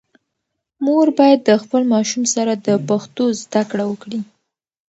مور باید د خپل ماشوم سره د پښتو زده کړه وکړي.